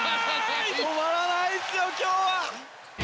止まらないっすよ今日は。